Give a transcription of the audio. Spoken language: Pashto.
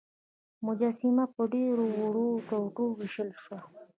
مجسمه په ډیرو وړو ټوټو ویشل شوه.